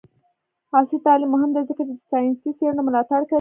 عصري تعلیم مهم دی ځکه چې د ساینسي څیړنو ملاتړ کوي.